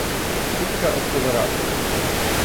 Күпкә осһоҙораҡ